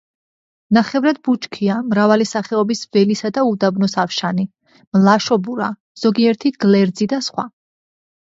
ნახევრად ბუჩქია მრავალი სახეობის ველისა და უდაბნოს ავშანი, მლაშობურა, ზოგიერთი გლერძი და სხვა.